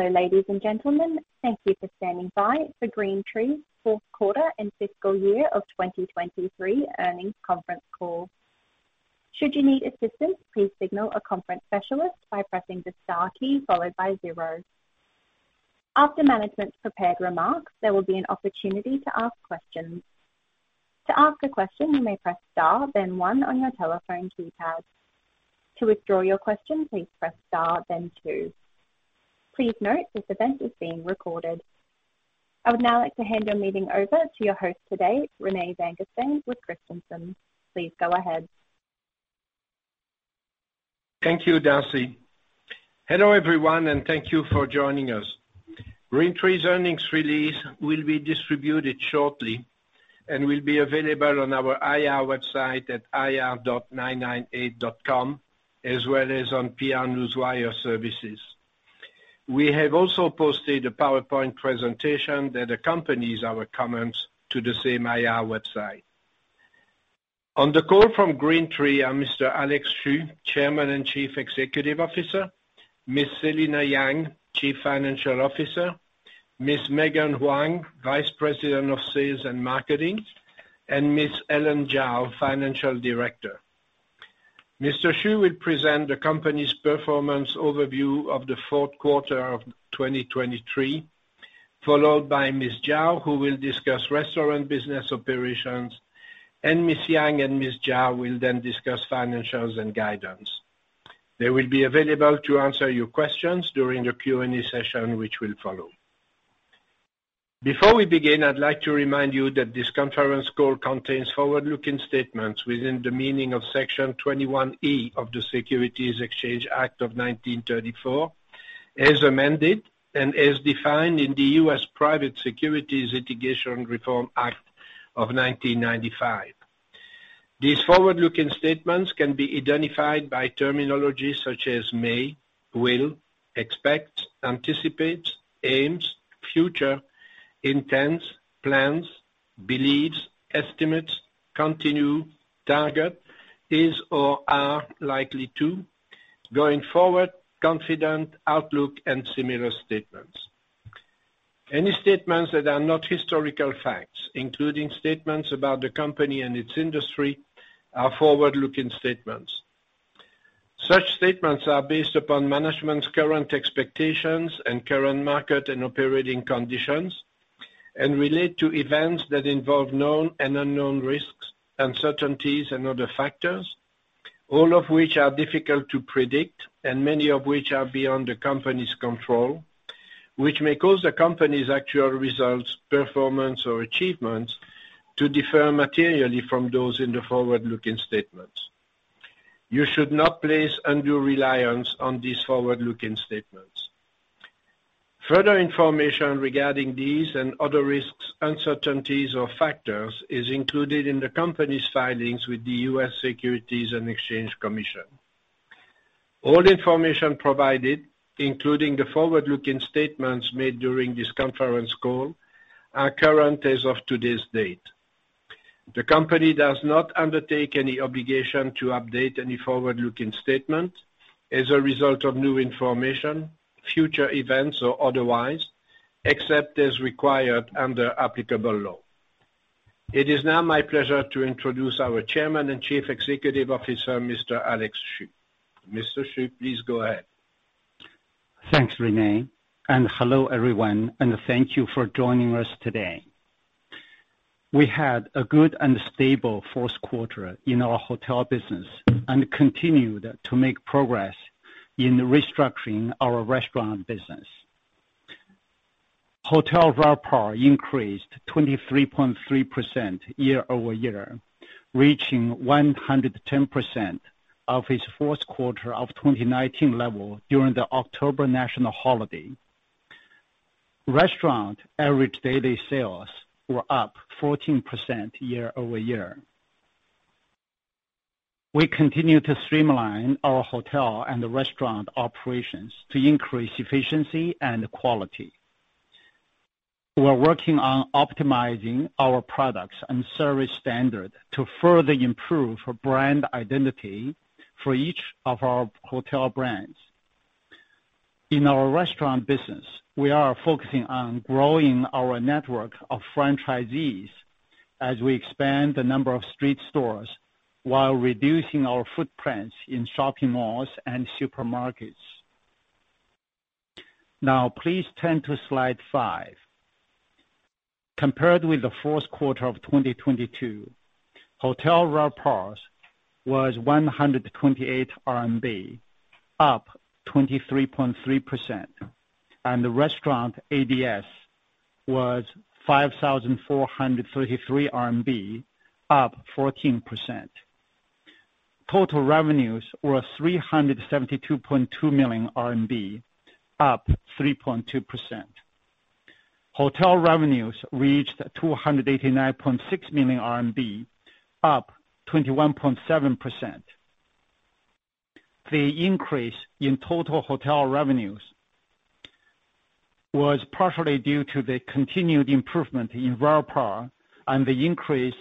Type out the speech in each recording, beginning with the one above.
Hello ladies and gentlemen, thank you for standing by for GreenTree's Fourth Quarter and Fiscal Year of 2023 Earnings Conference Call. Should you need assistance, please signal a conference specialist by pressing the star key followed by 0. After management's prepared remarks, there will be an opportunity to ask questions. To ask a question, you may press star, then 1 on your telephone keypad. To withdraw your question, please press star, then 2. Please note this event is being recorded. I would now like to hand your meeting over to your host today, René Vanguestaine with Christensen. Please go ahead. Thank you, Darcy. Hello everyone, and thank you for joining us. GreenTree's earnings release will be distributed shortly and will be available on our IR website at ir.998.com as well as on PR Newswire services. We have also posted a PowerPoint presentation that accompanies our comments to the same IR website. On the call from GreenTree are Mr. Alex Xu, Chairman and Chief Executive Officer, Ms. Selina Yang, Chief Financial Officer, Ms. Megan Huang, Vice President of Sales and Marketing, and Ms. Ellen Zhao, Financial Director. Mr. Xu will present the company's performance overview of the fourth quarter of 2023, followed by Ms. Zhao who will discuss restaurant business operations, and Ms. Yang and Ms. Zhao will then discuss financials and guidance. They will be available to answer your questions during the Q&A session which will follow. Before we begin, I'd like to remind you that this conference call contains forward-looking statements within the meaning of Section 21E of the Securities Exchange Act of 1934, as amended and as defined in the U.S. Private Securities Litigation Reform Act of 1995. These forward-looking statements can be identified by terminology such as may, will, expect, anticipate, aims, future, intents, plans, believes, estimates, continue, target, is or are likely to, going forward, confident, outlook, and similar statements. Any statements that are not historical facts, including statements about the company and its industry, are forward-looking statements. Such statements are based upon management's current expectations and current market and operating conditions, and relate to events that involve known and unknown risks, uncertainties, and other factors, all of which are difficult to predict and many of which are beyond the company's control, which may cause the company's actual results, performance, or achievements to differ materially from those in the forward-looking statements. You should not place undue reliance on these forward-looking statements. Further information regarding these and other risks, uncertainties, or factors is included in the company's filings with the U.S. Securities and Exchange Commission. All information provided, including the forward-looking statements made during this conference call, are current as of today's date. The company does not undertake any obligation to update any forward-looking statement as a result of new information, future events, or otherwise, except as required under applicable law. It is now my pleasure to introduce our Chairman and Chief Executive Officer, Mr. Alex Xu. Mr. Xu, please go ahead. Thanks, René. Hello everyone, and thank you for joining us today. We had a good and stable fourth quarter in our hotel business and continued to make progress in restructuring our restaurant business. Hotel RevPAR increased 23.3% year-over-year, reaching 110% of its fourth quarter of 2019 level during the October national holiday. Restaurant average daily sales were up 14% year-over-year. We continue to streamline our hotel and restaurant operations to increase efficiency and quality. We're working on optimizing our products and service standard to further improve brand identity for each of our hotel brands. In our restaurant business, we are focusing on growing our network of franchisees as we expand the number of street stores while reducing our footprints in shopping malls and supermarkets. Now, please turn to slide 5. Compared with the fourth quarter of 2022, Hotel RevPAR was RMB 128, up 23.3%, and the restaurant ADS was 5,433 RMB, up 14%. Total revenues were 372.2 million RMB, up 3.2%. Hotel revenues reached 289.6 million RMB, up 21.7%. The increase in total hotel revenues was partially due to the continued improvement in RevPAR and the increase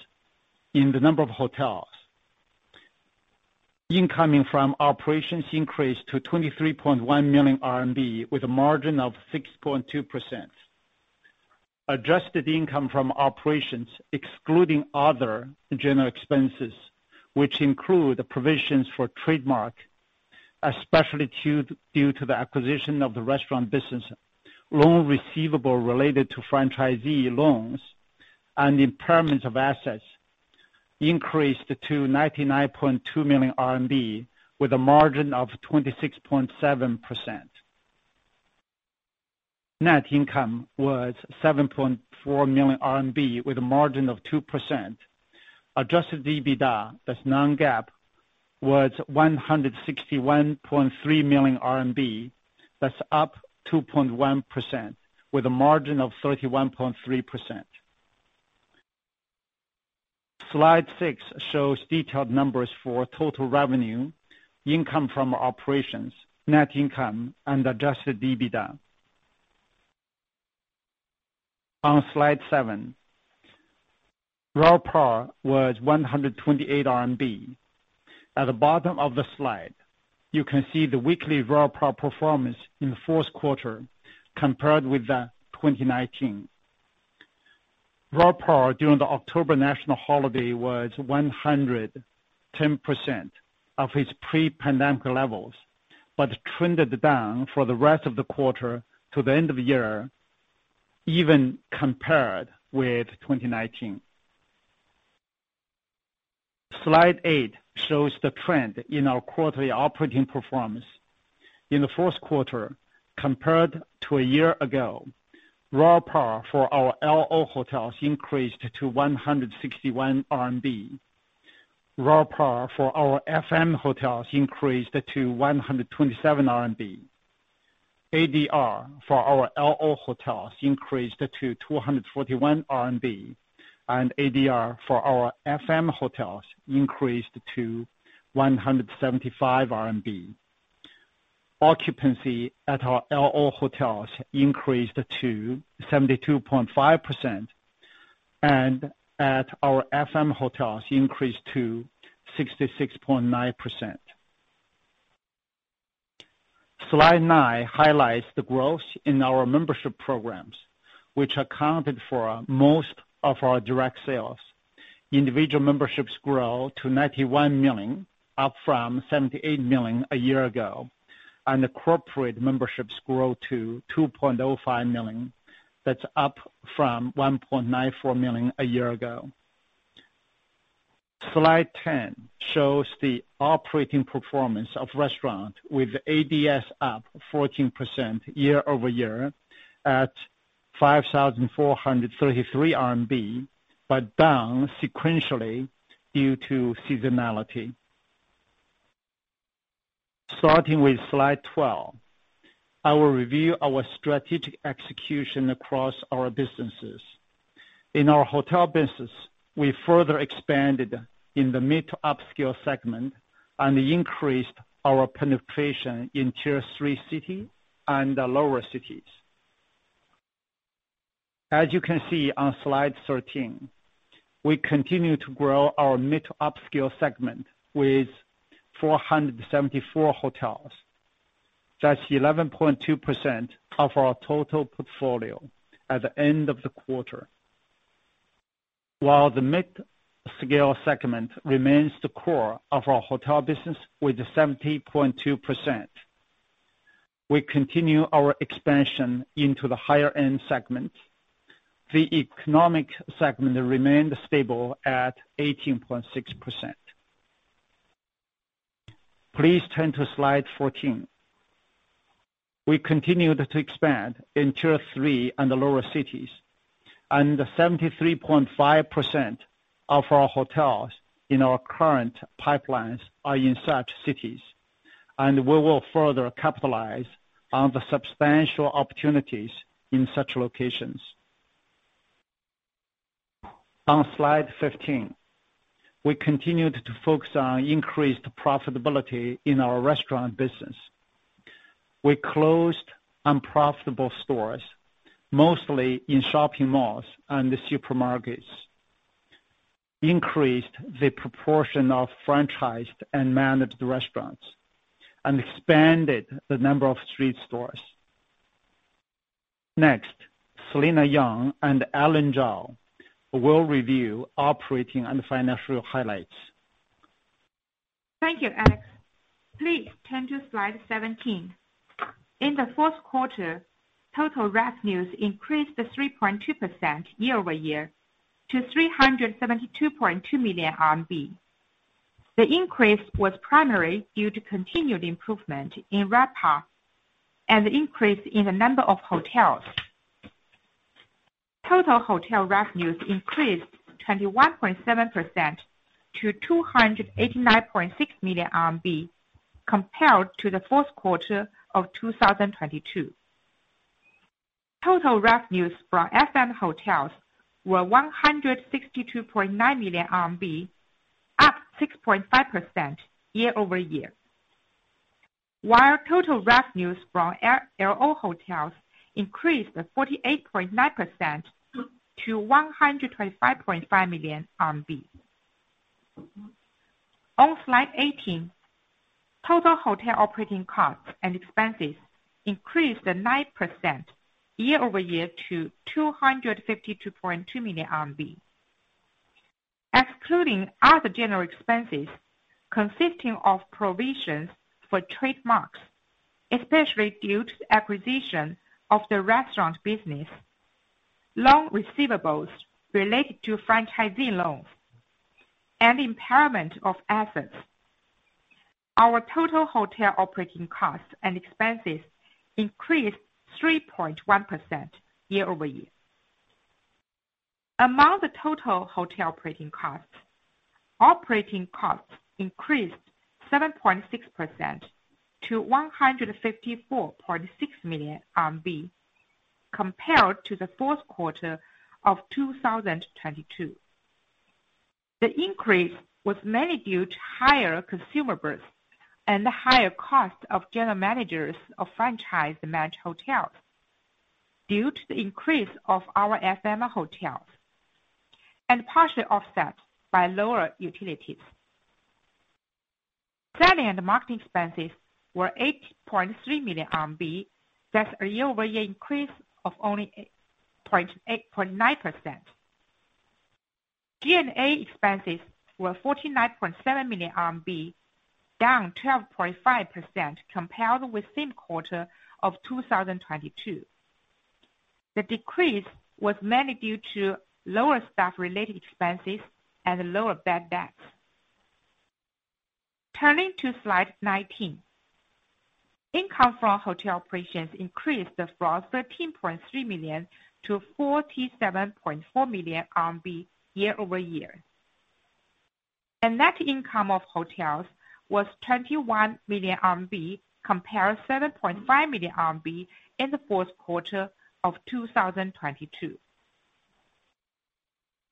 in the number of hotels, income from operations increased to 23.1 million RMB with a margin of 6.2%. Adjusted income from operations, excluding other general expenses, which include provisions for trademark, especially due to the acquisition of the restaurant business, loan receivable related to franchisee loans, and impairments of assets, increased to 99.2 million RMB with a margin of 26.7%. Net income was 7.4 million RMB with a margin of 2%. Adjusted EBITDA, that's non-GAAP, was 161.3 million RMB, that's up 2.1% with a margin of 31.3%. Slide 6 shows detailed numbers for total revenue, income from operations, net income, and adjusted EBITDA. On slide 7, RevPAR was 128 RMB. At the bottom of the slide, you can see the weekly RevPAR performance in the fourth quarter compared with 2019. RevPAR during the October national holiday was 110% of its pre-pandemic levels, but trended down for the rest of the quarter to the end of the year, even compared with 2019. Slide 8 shows the trend in our quarterly operating performance. In the fourth quarter, compared to a year ago, RevPAR for our L&O hotels increased to 161 RMB. RevPAR for our F&M hotels increased to 127 RMB. ADR for our L&O hotels increased to 241 RMB, and ADR for our F&M hotels increased to 175 RMB. Occupancy at our L&O hotels increased to 72.5%, and at our F&M hotels increased to 66.9%. Slide 9 highlights the growth in our membership programs, which accounted for most of our direct sales. Individual memberships grew to 91 million, up from 78 million a year ago, and the corporate memberships grew to 2.05 million, that's up from 1.94 million a year ago. Slide 10 shows the operating performance of restaurant with ADS up 14% year-over-year at 5,433 RMB, but down sequentially due to seasonality. Starting with slide 12, I will review our strategic execution across our businesses. In our hotel business, we further expanded in the mid-to-upscale segment and increased our penetration in Tier 3 cities and lower cities. As you can see on slide 13, we continue to grow our mid-to-upscale segment with 474 hotels, that's 11.2% of our total portfolio at the end of the quarter. While the mid-scale segment remains the core of our hotel business with 70.2%, we continue our expansion into the higher-end segment. The economic segment remained stable at 18.6%. Please turn to slide 14. We continued to expand in Tier 3 and lower cities, and 73.5% of our hotels in our current pipelines are in such cities, and we will further capitalize on the substantial opportunities in such locations. On slide 15, we continued to focus on increased profitability in our restaurant business. We closed unprofitable stores, mostly in shopping malls and supermarkets, increased the proportion of franchised and managed restaurants, and expanded the number of street stores. Next, Selina Yang and Ellen Zhao will review operating and financial highlights. Thank you, Alex. Please turn to slide 17. In the fourth quarter, total revenues increased 3.2% year-over-year to 372.2 million RMB. The increase was primarily due to continued improvement in RevPAR and the increase in the number of hotels. Total hotel revenues increased 21.7% to 289.6 million RMB compared to the fourth quarter of 2022. Total revenues from F&M hotels were 162.9 million RMB, up 6.5% year-over-year, while total revenues from L&O hotels increased 48.9% to 125.5 million RMB. On slide 18, total hotel operating costs and expenses increased 9% year-over-year to RMB 252.2 million, excluding other general expenses consisting of provisions for trademarks, especially due to the acquisition of the restaurant business, loan receivables related to franchisee loans, and impairment of assets. Our total hotel operating costs and expenses increased 3.1% year-over-year. Among the total hotel operating costs, operating costs increased 7.6% to 154.6 million RMB compared to the fourth quarter of 2022. The increase was mainly due to higher consumables and the higher cost of general managers of franchised-and-managed hotels due to the increase of our F&M hotels and partially offset by lower utilities. Selling and marketing expenses were 8.3 million RMB, that's a year-over-year increase of only 0.9%. G&A expenses were 49.7 million RMB, down 12.5% compared with same quarter of 2022. The decrease was mainly due to lower staff-related expenses and lower bad debts. Turning to slide 19, income from hotel operations increased from 13.3 million-47.4 million RMB year-over-year, and net income of hotels was 21 million RMB compared to 7.5 million RMB in the fourth quarter of 2022.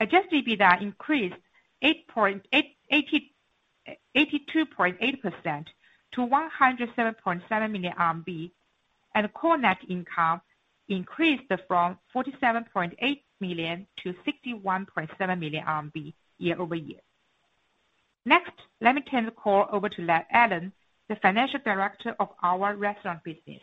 Adjusted EBITDA increased 82.8% to 107.7 million RMB, and core net income increased from 47.8 million to 61.7 million RMB year-over-year. Next, let me turn the call over to Ellen, the Financial Director of our restaurant business.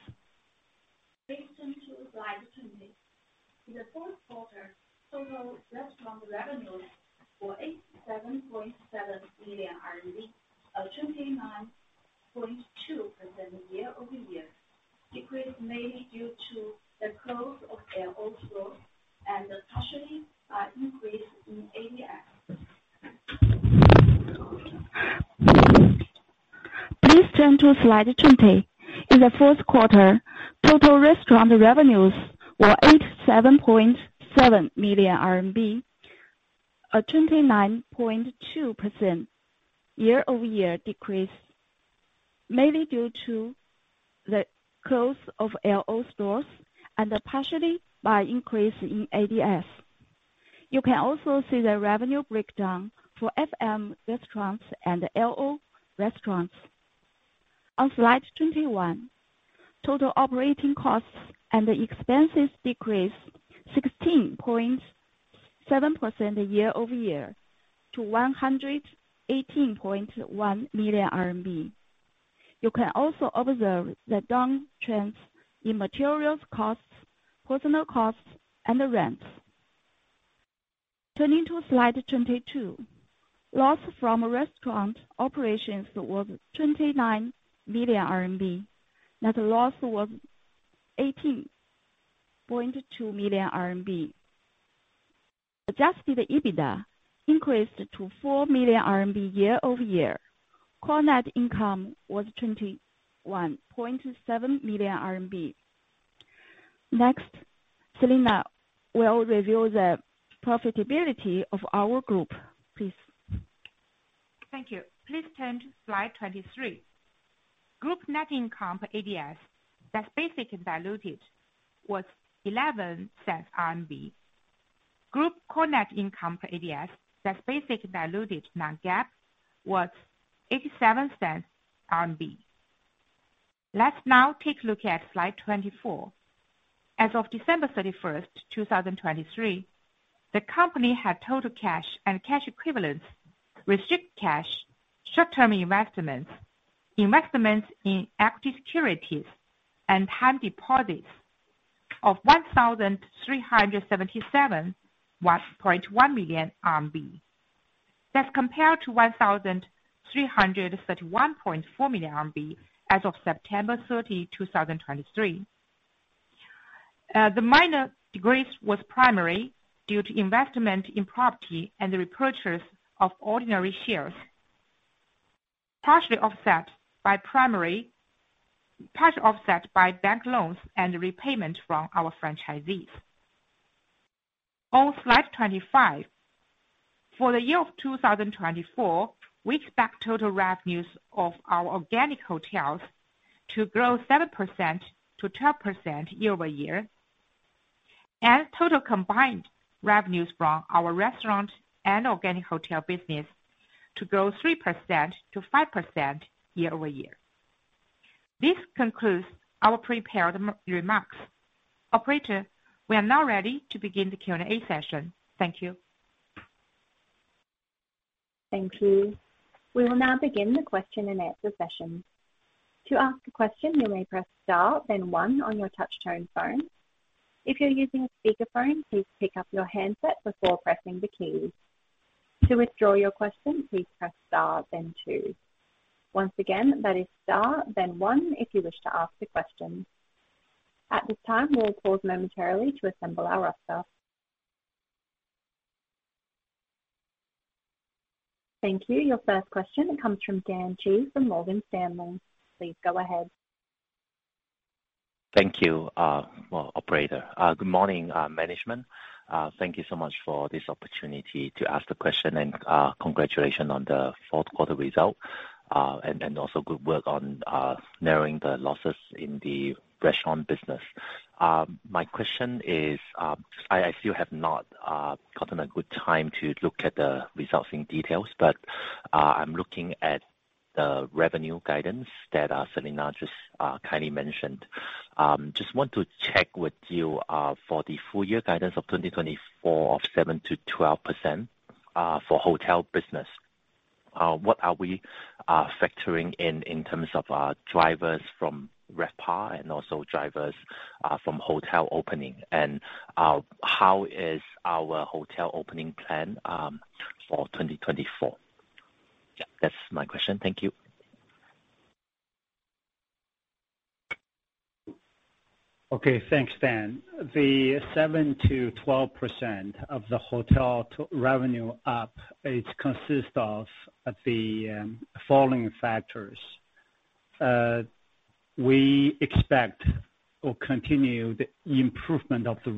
Please turn to slide 20. In the fourth quarter, total restaurant revenues were 87.7 million, up 29.2% year-over-year, decreased mainly due to the close of L&O stores and partially increased in ADS. Please turn to slide 20. In the fourth quarter, total restaurant revenues were RMB 87.7 million, up 29.2% year-over-year, decreased mainly due to the close of L&O stores and partially by increase in ADS. You can also see the revenue breakdown for F&M restaurants and L&O restaurants. On slide 21, total operating costs and expenses decreased 16.7% year-over-year to 118.1 million RMB. You can also observe the downtrends in materials costs, personnel costs, and rents. Turning to slide 22, loss from restaurant operations was 29 million RMB, net loss was 18.2 million RMB. Adjusted EBITDA increased to 4 million RMB year-over-year. Core net income was 21.7 million RMB. Next, Selina will review the profitability of our group. Please. Thank you. Please turn to slide 23. Group net income per ADS, that's basic and diluted, was CNY 0.11. Group core net income per ADS, that's basic and diluted, non-GAAP, was 0.87. Let's now take a look at slide 24. As of December 31st, 2023, the company had total cash and cash equivalents, restricted cash, short-term investments, investments in equity securities, and time deposits of 1,377.1 million RMB, that's compared to 1,331.4 million RMB as of September 30, 2023. The minor decrease was primarily due to investment in property and the repurchase of ordinary shares, partially offset by bank loans and repayment from our franchisees. On slide 25, for the year of 2024, we expect total revenues of our organic hotels to grow 7%-12% year-over-year, and total combined revenues from our restaurant and organic hotel business to grow 3%-5% year-over-year. This concludes our prepared remarks. Operator, we are now ready to begin the Q&A session. Thank you. Thank you. We will now begin the question-and-answer session. To ask a question, you may press Star, then 1 on your touchscreen phone. If you're using a speakerphone, please pick up your handset before pressing the keys. To withdraw your question, please press Star, then 2. Once again, that is Star, then 1 if you wish to ask a question. At this time, we will pause momentarily to assemble our roster. Thank you. Your first question comes from Dan Xu from Morgan Stanley. Please go ahead. Thank you, Operator. Good morning, management. Thank you so much for this opportunity to ask the question, and congratulations on the fourth-quarter result, and also good work on narrowing the losses in the restaurant business. My question is I still have not gotten a good time to look at the results in details, but I'm looking at the revenue guidance that Selina just kindly mentioned. Just want to check with you for the full-year guidance of 2024 of 7%-12% for hotel business, what are we factoring in in terms of drivers from RevPAR and also drivers from hotel opening, and how is our hotel opening plan for 2024? That's my question. Thank you. Okay. Thanks, Dan. The 7%-12% of the hotel revenue upside consists of the following factors. We expect to continue the improvement of the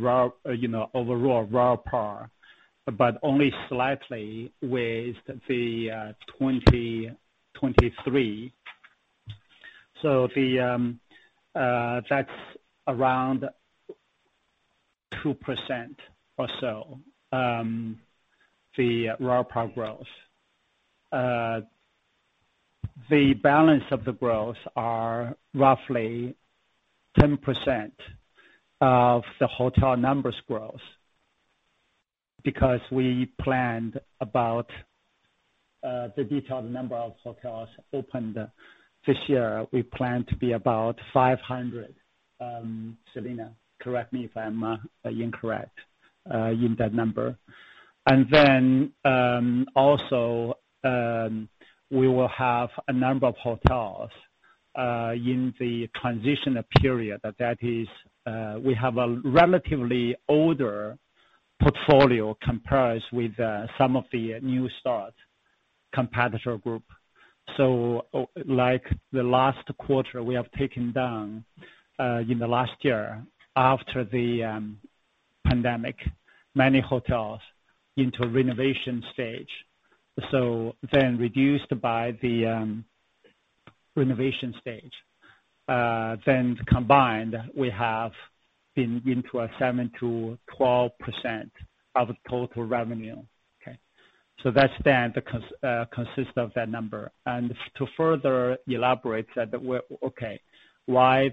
overall RevPAR, but only slightly with the 2023. So that's around 2% or so, the RevPAR growth. The balance of the growth is roughly 10% of the hotel numbers growth because we planned about the detailed number of hotels opened this year. We plan to be about 500. Selina, correct me if I'm incorrect in that number. And then also, we will have a number of hotels in the transition period. That is, we have a relatively older portfolio compared with some of the new start competitor group. So the last quarter, we have taken down in the last year after the pandemic, many hotels into a renovation stage, so then reduced by the renovation stage. Then combined, we have been into a 7%-12% of total revenue. Okay? So that's then consists of that number. And to further elaborate that, okay, why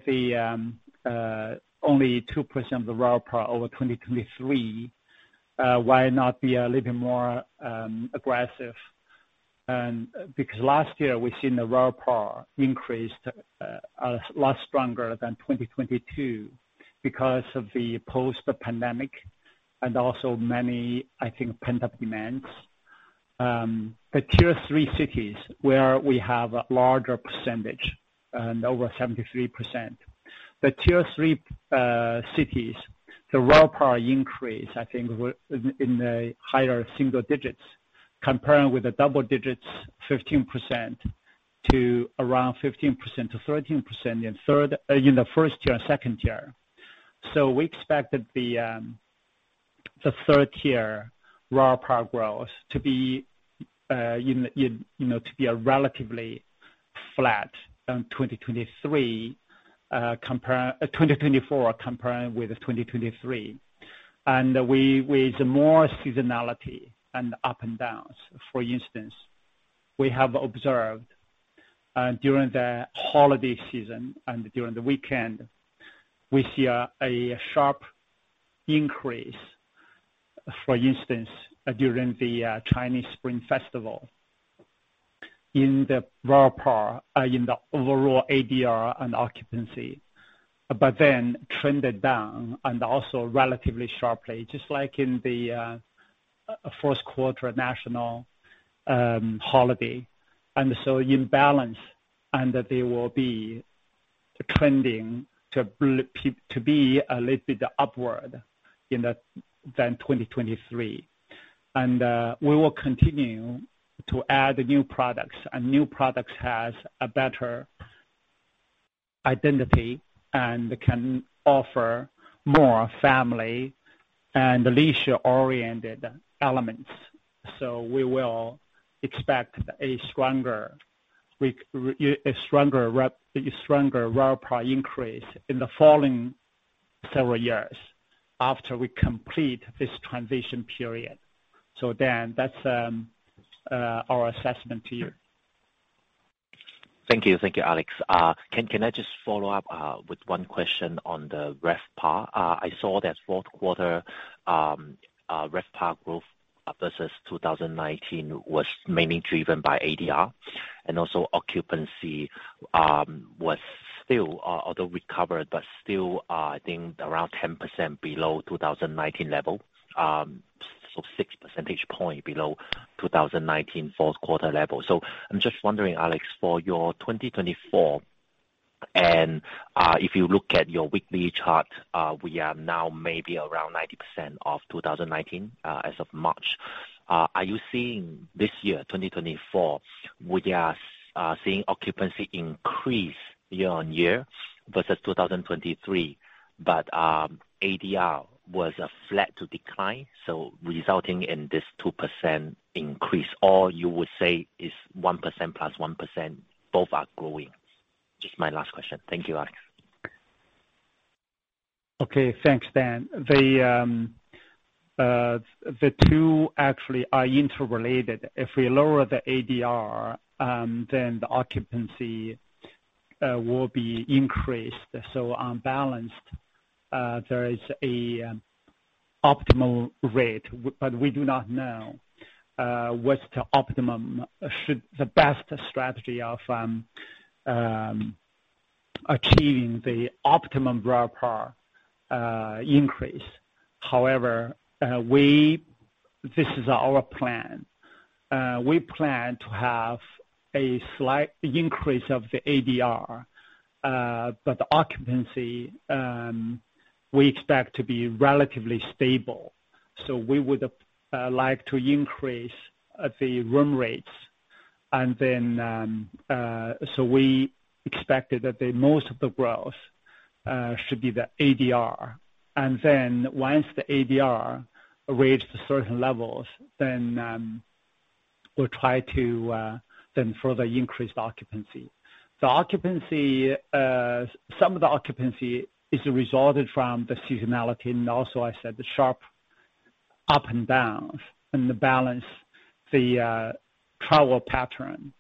only 2% of the RevPAR over 2023? Why not be a little bit more aggressive? Because last year, we've seen the RevPAR increase a lot stronger than 2022 because of the post-pandemic and also many, I think, pent-up demands. The Tier 3 cities, where we have a larger percentage and over 73%, the Tier 3 cities, the RevPAR increase, I think, in the higher single digits compared with the double digits, 15% to around 15% to 13% in the first tier and second tier. So we expect that the third-tier RevPAR growth to be a relatively flat in 2024 compared with 2023. And with more seasonality and ups and downs, for instance, we have observed during the holiday season and during the weekend, we see a sharp increase, for instance, during the Chinese Spring Festival in the RevPAR in the overall ADR and occupancy, but then trended down and also relatively sharply, just like in the fourth-quarter national holiday. And so in balance, and they will be trending to be a little bit upward than 2023. And we will continue to add new products, and new products have a better identity and can offer more family and leisure-oriented elements. So we will expect a stronger RevPAR increase in the following several years after we complete this transition period. So Dan, that's our assessment to you. Thank you. Thank you, Alex. Can I just follow up with one question on the RevPAR? I saw that fourth-quarter RevPAR growth versus 2019 was mainly driven by ADR, and also occupancy was still, although recovered, but still, I think, around 10% below 2019 level, so 6 percentage points below 2019 fourth-quarter level. So I'm just wondering, Alex, for your 2024, and if you look at your weekly chart, we are now maybe around 90% of 2019 as of March. Are you seeing this year, 2024, we are seeing occupancy increase year-on-year versus 2023, but ADR was flat to decline, so resulting in this 2% increase, or you would say it's 1% + 1%, both are growing? Just my last question. Thank you, Alex. Okay. Thanks, Dan. The two actually are interrelated. If we lower the ADR, then the occupancy will be increased. So on balance, there is an optimal rate, but we do not know what's the best strategy of achieving the optimum RevPAR increase. However, this is our plan. We plan to have a slight increase of the ADR, but the occupancy, we expect to be relatively stable. So we would like to increase the room rates. And then so we expected that most of the growth should be the ADR. And then once the ADR reached certain levels, then we'll try to then further increase the occupancy. Some of the occupancy is resulted from the seasonality and also, I said, the sharp ups and downs. To balance the travel pattern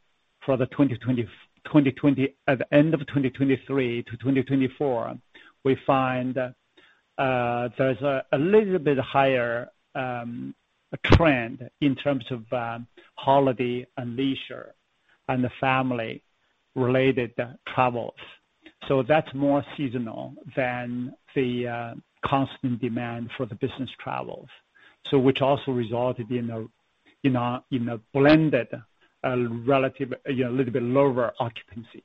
for the end of 2023 to 2024, we find there's a little bit higher trend in terms of holiday and leisure and the family-related travels. So that's more seasonal than the constant demand for the business travels, which also resulted in a blended, a little bit lower occupancy.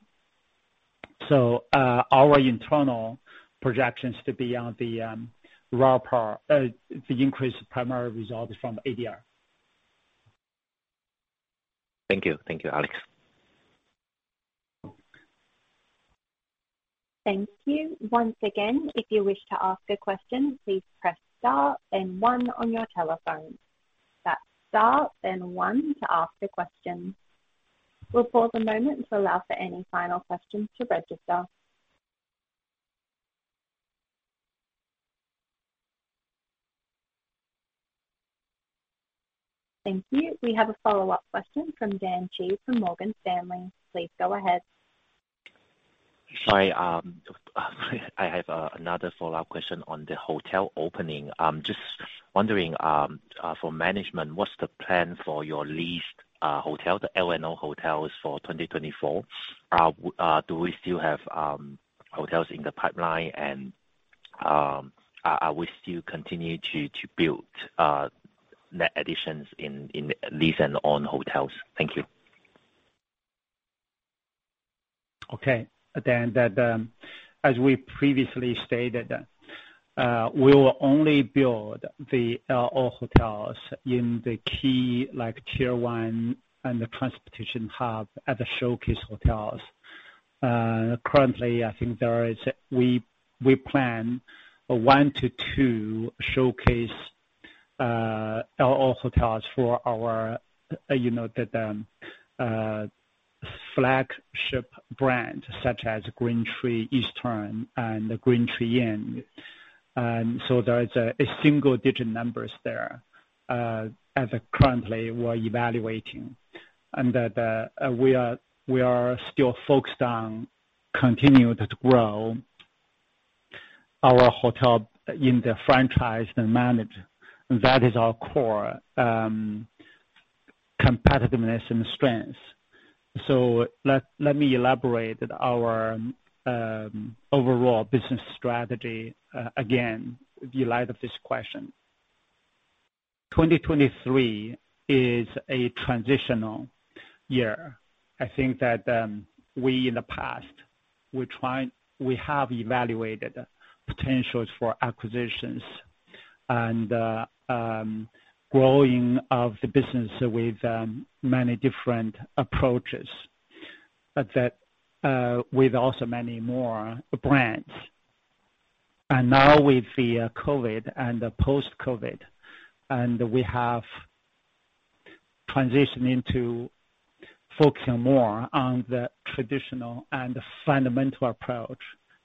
So our internal projections to be on the increase primarily resulted from the ADR. Thank you. Thank you, Alex. Thank you. Once again, if you wish to ask a question, please press star, then 1 on your telephone. That's star, then 1 to ask a question. We'll pause a moment to allow for any final questions to register. Thank you. We have a follow-up question from Dan Xu from Morgan Stanley. Please go ahead. Sorry. I have another follow-up question on the hotel opening. Just wondering for management, what's the plan for your leased hotel, the L&O hotels for 2024? Do we still have hotels in the pipeline, and are we still continuing to build net additions in leased and owned hotels? Thank you. Okay. Dan, as we previously stated, we will only build the L&O hotels in the key Tier 1 and the transportation hub as showcase hotels. Currently, I think we plan 1-2 showcase L&O hotels for our flagship brands such as GreenTree Eastern and GreenTree Inn. So there is a single-digit numbers there as currently we're evaluating. And we are still focused on continuing to grow our hotel in the franchised and managed. That is our core competitiveness and strength. So let me elaborate our overall business strategy again in light of this question. 2023 is a transitional year. I think that we, in the past, we have evaluated potentials for acquisitions and growing of the business with many different approaches with also many more brands. Now with the COVID and the post-COVID, we have transitioned into focusing more on the traditional and fundamental approach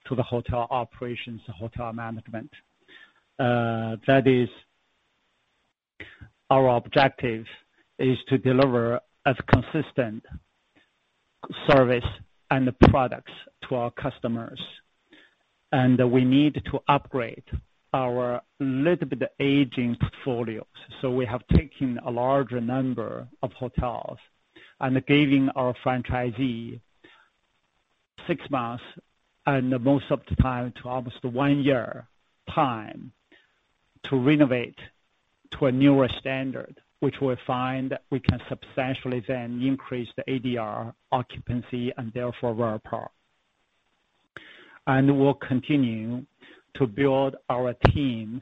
to the hotel operations, the hotel management. That is, our objective is to deliver a consistent service and products to our customers. We need to upgrade our little bit aging portfolios. So we have taken a larger number of hotels and giving our franchisee six months and most of the time to almost one year time to renovate to a newer standard, which we find we can substantially then increase the ADR occupancy and therefore RevPAR. And we'll continue to build our team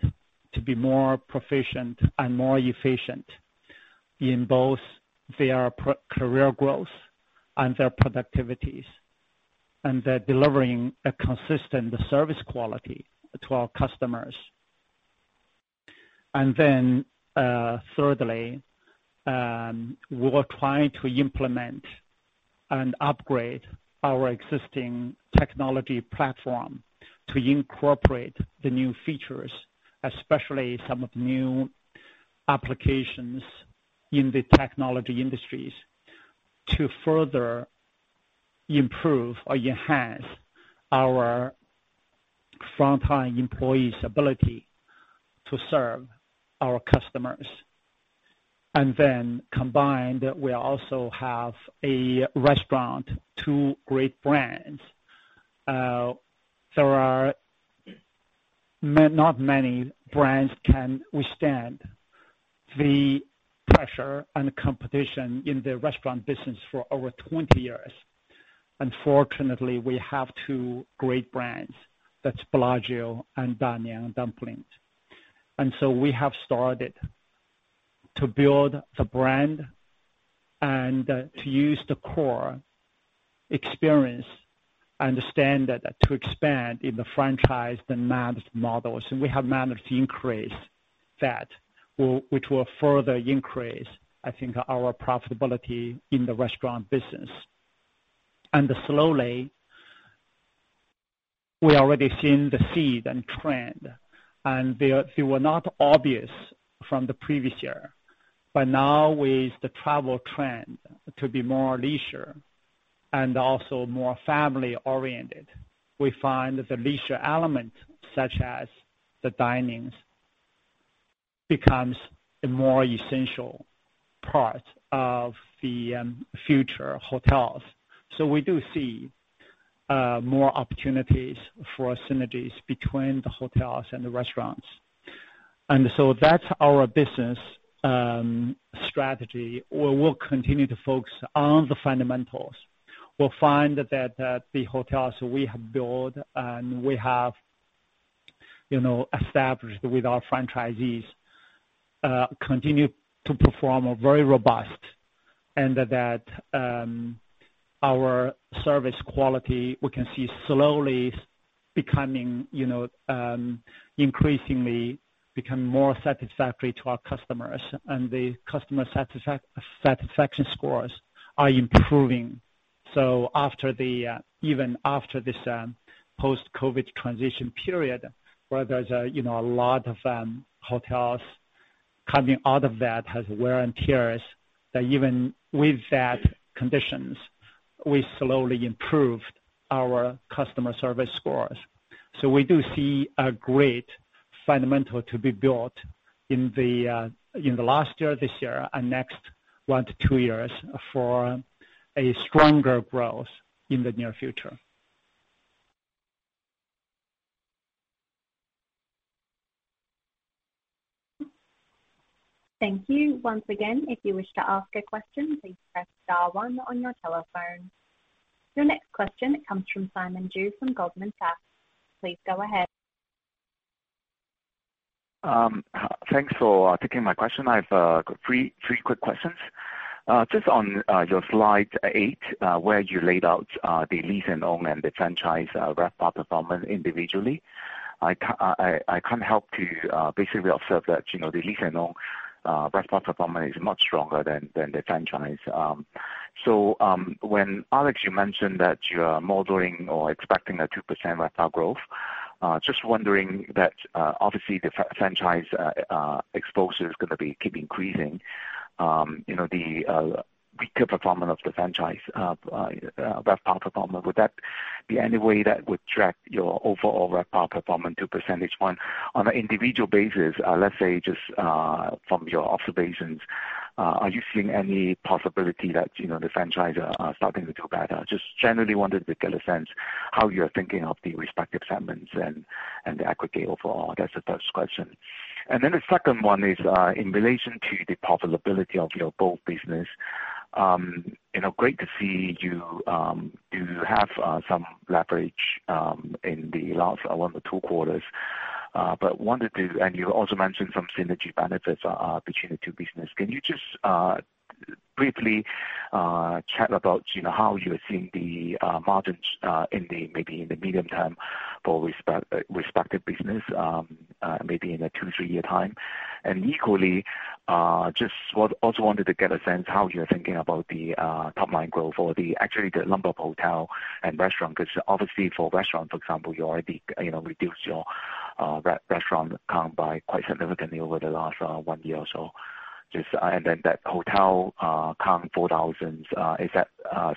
to be more proficient and more efficient in both their career growth and their productivities and delivering a consistent service quality to our customers. And then thirdly, we're trying to implement and upgrade our existing technology platform to incorporate the new features, especially some of the new applications in the technology industries to further improve or enhance our frontline employees' ability to serve our customers. And then combined, we also have a restaurant. Two great brands. There are not many brands can withstand the pressure and competition in the restaurant business for over 20 years. And fortunately, we have two great brands. That's Bellagio and Da Niang Dumplings. And so we have started to build the brand and to use the core experience and the standard to expand in the franchise and managed models. And we have managed to increase that, which will further increase, I think, our profitability in the restaurant business. And slowly, we're already seeing the seed and trend. And they were not obvious from the previous year. But now with the travel trend to be more leisure and also more family-oriented, we find the leisure element such as the dining becomes a more essential part of the future hotels. So we do see more opportunities for synergies between the hotels and the restaurants. And so that's our business strategy. We'll continue to focus on the fundamentals. We'll find that the hotels we have built and we have established with our franchisees continue to perform very robust and that our service quality, we can see slowly increasingly becoming more satisfactory to our customers. And the customer satisfaction scores are improving. So even after this post-COVID transition period, where there's a lot of hotels coming out of that has wear and tear, even with that conditions, we slowly improved our customer service scores. We do see a great fundamental to be built in the last year, this year, and next 1-2 years for a stronger growth in the near future. Thank you. Once again, if you wish to ask a question, please press star one one on your telephone. Your next question, it comes from Simon Cheung from Goldman Sachs. Please go ahead. Thanks for taking my question. I have three quick questions. Just on your slide 8, where you laid out the leased and owned and the franchise RevPAR performance individually, I can't help to basically observe that the leased and owned RevPAR performance is much stronger than the franchise. So Alex, you mentioned that you are modeling or expecting a 2% RevPAR growth. Just wondering that obviously, the franchise exposure is going to keep increasing. The weaker performance of the franchise RevPAR performance, would that be any way that would track your overall RevPAR performance to percentage point? On an individual basis, let's say just from your observations, are you seeing any possibility that the franchise are starting to do better? Just generally wanted to get a sense how you are thinking of the respective segments and the aggregate overall. That's the first question. And then the second one is in relation to the profitability of your both business. Great to see you do have some leverage in the last 1-2 quarters. But wanted to and you also mentioned some synergy benefits between the two businesses. Can you just briefly chat about how you are seeing the margins maybe in the medium term for respective business, maybe in a 2-3-year time? And equally, just also wanted to get a sense how you are thinking about the top-line growth or actually the number of hotels and restaurants because obviously, for restaurants, for example, you already reduced your restaurant count by quite significantly over the last one year or so. And then that hotel count, 4,000s, is that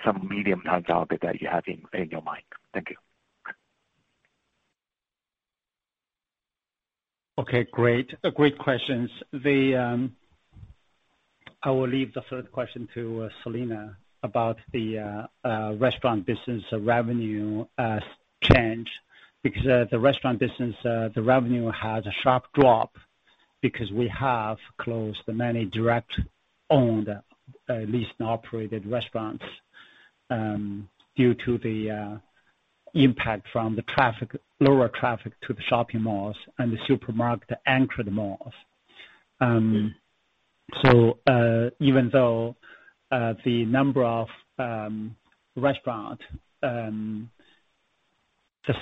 some medium-term target that you have in your mind? Thank you. Okay. Great. Great questions. I will leave the third question to Selina about the restaurant business revenue change because the restaurant business, the revenue had a sharp drop because we have closed many direct-owned, leased and operated restaurants due to the impact from the lower traffic to the shopping malls and the supermarket-anchored malls. So even though the number of restaurants, the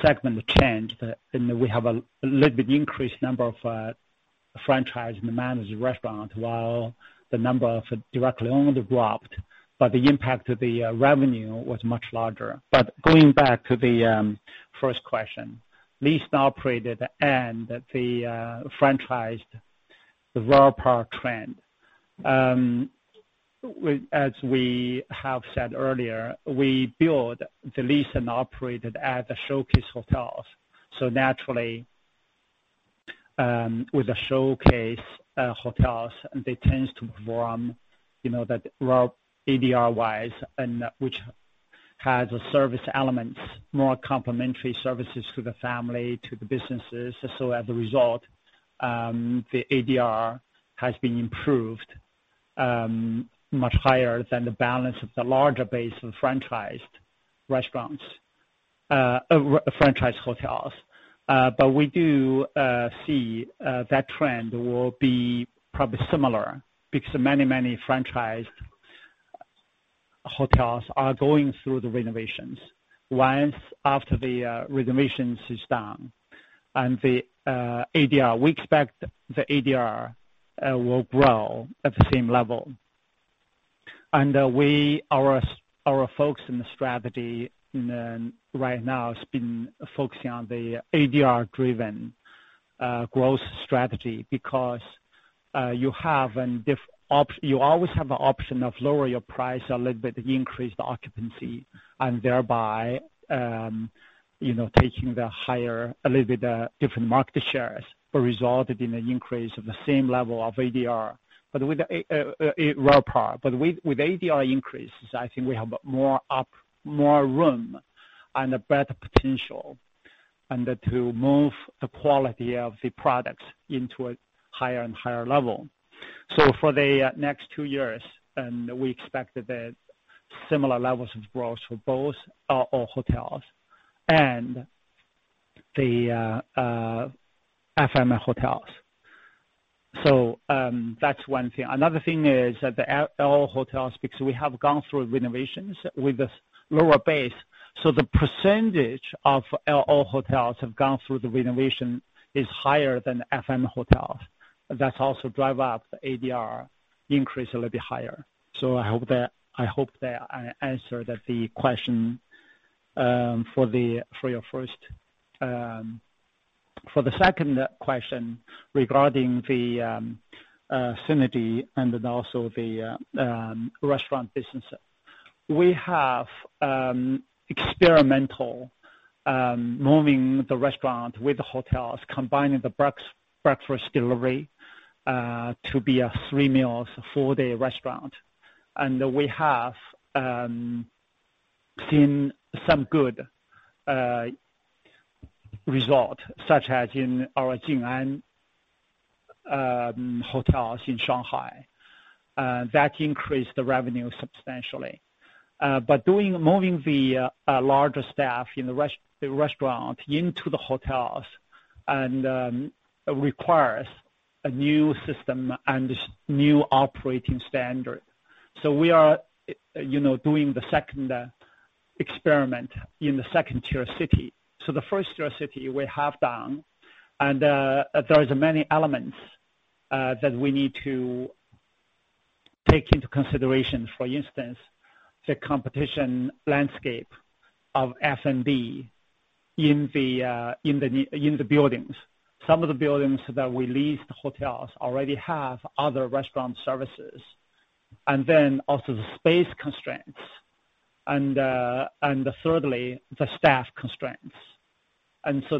segment changed, and we have a little bit increased number of franchise and managed restaurants while the number of directly owned dropped, but the impact of the revenue was much larger. But going back to the first question, leased and operated and the franchised, the RevPAR trend, as we have said earlier, we build the leased and operated as showcase hotels. So naturally, with the showcase hotels, they tend to perform that ADR-wise, which has service elements, more complementary services to the family, to the businesses. So as a result, the ADR has been improved much higher than the balance of the larger base of franchised hotels. But we do see that trend will be probably similar because many, many franchised hotels are going through the renovations. Once after the renovations is done and the ADR, we expect the ADR will grow at the same level. And our focus and the strategy right now has been focusing on the ADR-driven growth strategy because you have an you always have an option of lower your price a little bit, increase the occupancy, and thereby taking the higher a little bit different market shares resulted in an increase of the same level of ADR RevPAR. But with ADR increases, I think we have more room and a better potential to move the quality of the products into a higher and higher level. So for the next two years, we expect similar levels of growth for both all hotels and the F&M hotels. So that's one thing. Another thing is that the L&O hotels because we have gone through renovations with a lower base. So the percentage of L&O hotels have gone through the renovation is higher than F&M hotels. That's also drive up the ADR increase a little bit higher. So I hope that I answered the question for your first for the second question regarding the synergy and then also the restaurant business. We have experimental moving the restaurant with the hotels, combining the breakfast delivery to be a three-meals, four-day restaurant. And we have seen some good result such as in our Jing'an hotels in Shanghai. That increased the revenue substantially. But moving the larger staff in the restaurant into the hotels requires a new system and new operating standard. So we are doing the second experiment in the second-tier city. So the first-tier city, we have done. And there are many elements that we need to take into consideration. For instance, the competition landscape of F&B in the buildings. Some of the buildings that we leased hotels already have other restaurant services. And then also the space constraints. And thirdly, the staff constraints. And so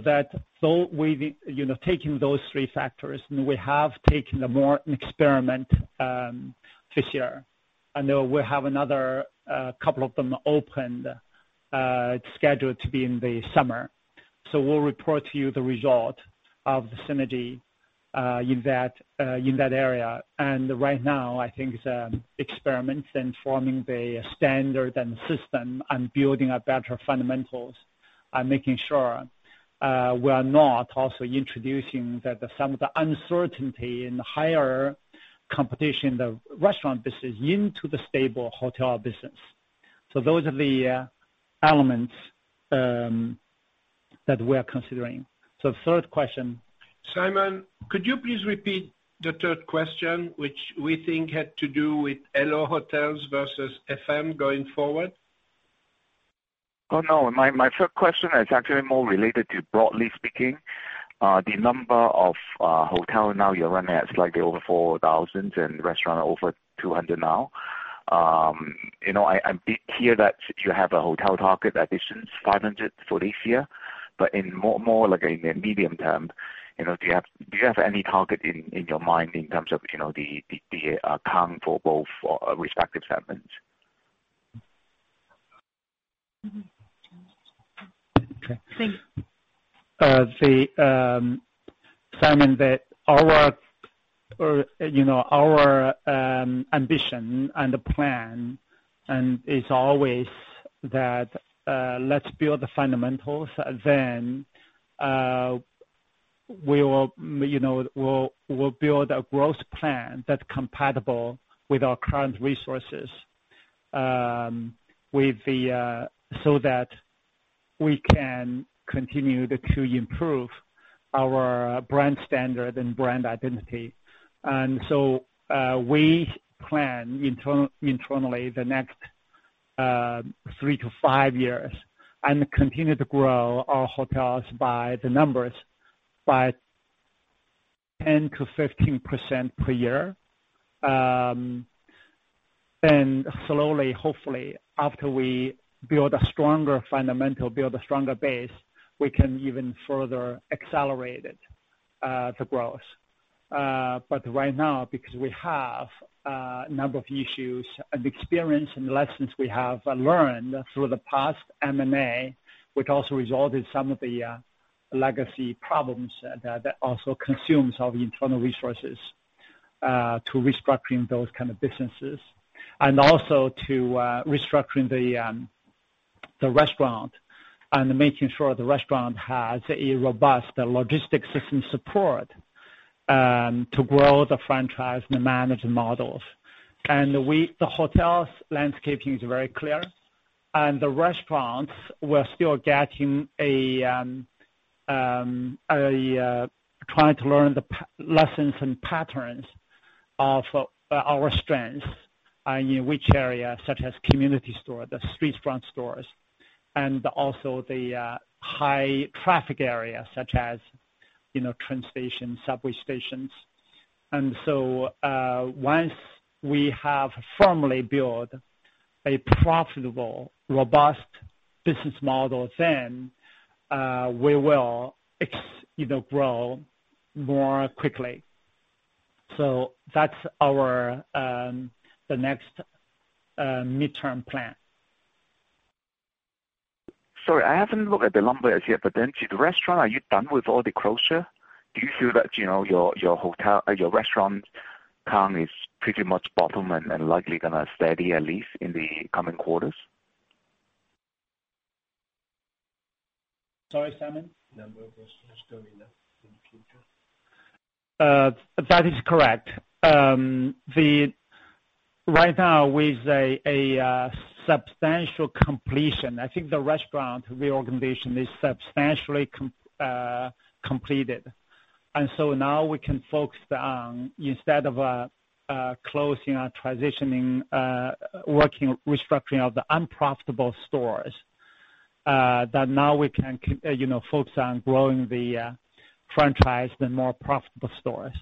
taking those three factors, we have taken more an experiment this year. And we have another couple of them opened scheduled to be in the summer. So we'll report to you the result of the synergy in that area. And right now, I think it's experiments and forming the standard and system and building a better fundamentals and making sure we are not also introducing some of the uncertainty and higher competition in the restaurant business into the stable hotel business. So those are the elements that we are considering. So third question. Simon, could you please repeat the third question, which we think had to do with L&O hotels versus F&M going forward? Oh, no. My first question is actually more related to, broadly speaking, the number of hotels now you're running at. It's like they're over 4,000 and restaurants are over 200 now. I hear that you have a hotel target additions, 500 for this year. But in more in the medium term, do you have any target in your mind in terms of the count for both respective segments? Thanks. Simon, our ambition and the plan is always that let's build the fundamentals. Then we'll build a growth plan that's compatible with our current resources so that we can continue to improve our brand standard and brand identity. So we plan internally the next 3-5 years and continue to grow our hotels by the numbers by 10%-15% per year. Slowly, hopefully, after we build a stronger fundamental, build a stronger base, we can even further accelerate the growth. But right now, because we have a number of issues and experience and lessons we have learned through the past M&A, which also resulted in some of the legacy problems that also consumes our internal resources to restructuring those kind of businesses and also to restructuring the restaurant and making sure the restaurant has a robust logistics system support to grow the franchise and the management models. The hotels' landscaping is very clear. The restaurants were still trying to learn the lessons and patterns of our strengths in which area, such as community store, the streetfront stores, and also the high-traffic area such as train stations, subway stations. Once we have firmly built a profitable, robust business model, then we will grow more quickly. That's the next midterm plan. Sorry, I haven't looked at the numbers yet. But then to the restaurant, are you done with all the closure? Do you feel that your restaurant count is pretty much bottom and likely going to steady at least in the coming quarters? Sorry, Simon? Number of restaurants going up in the future? That is correct. Right now, with a substantial completion, I think the restaurant reorganization is substantially completed. And so now we can focus on instead of closing, transitioning, working, restructuring of the unprofitable stores, that now we can focus on growing the franchise and more profitable stores.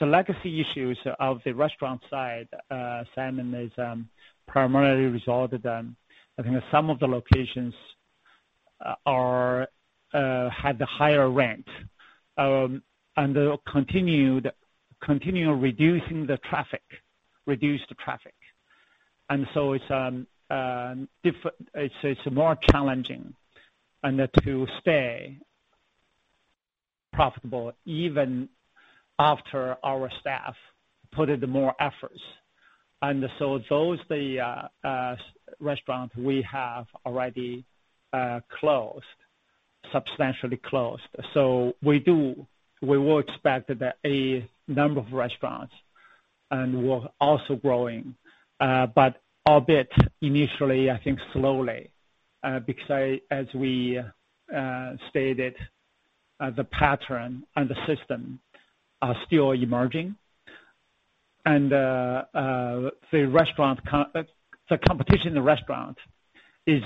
The legacy issues of the restaurant side, Simon, is primarily resulted in I think some of the locations have the higher rent and continued reducing the traffic. And so it's more challenging to stay profitable even after our staff put in more efforts. And so those restaurants, we have already substantially closed. So we will expect a number of restaurants and we're also growing, but albeit initially, I think slowly because, as we stated, the pattern and the system are still emerging. And the competition in the restaurant is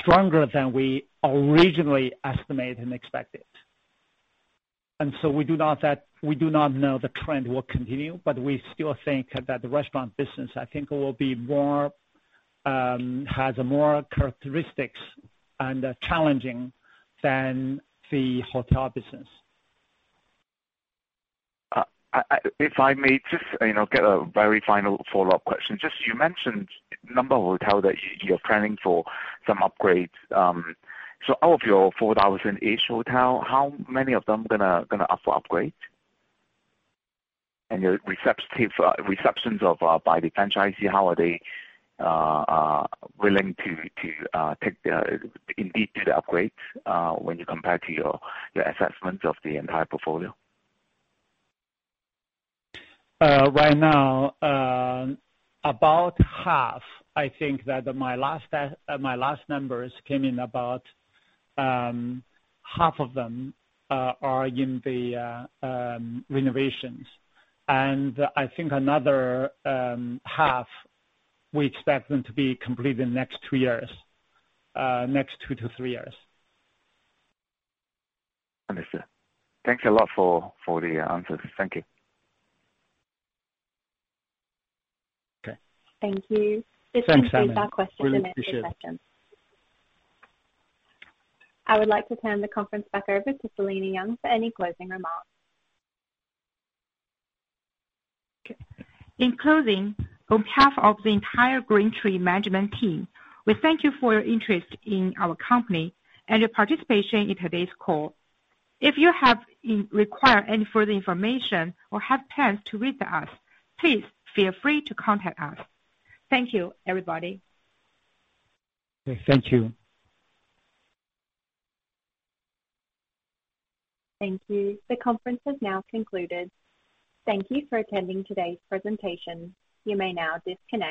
stronger than we originally estimated and expected. So we do not know the trend will continue, but we still think that the restaurant business, I think, has more characteristics and challenging than the hotel business. If I may just get a very final follow-up question. You mentioned number of hotels that you're planning for some upgrades. So out of your 4,000-ish hotel, how many of them are going to offer upgrades? And your receptions by the franchisee, how are they willing to indeed do the upgrades when you compare to your assessment of the entire portfolio? Right now, about half. I think that my last numbers came in about half of them are in the renovations. And I think another half, we expect them to be completed next two years, next 2-3 years. Understood. Thanks a lot for the answers. Thank you. Thank you. Thanks, Simon. This concludes our question and answer session. Really appreciate it. I would like to turn the conference back over to Selina Yang for any closing remarks. In closing, on behalf of the entire GreenTree management team, we thank you for your interest in our company and your participation in today's call. If you require any further information or have plans to reach us, please feel free to contact us. Thank you, everybody. Thank you. Thank you. The conference has now concluded. Thank you for attending today's presentation. You may now disconnect.